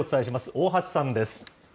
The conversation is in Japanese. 大橋さんです。